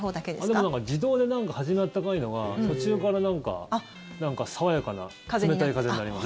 でも、なんか自動で初め、温かいのが途中から、なんか爽やかな冷たい風になります。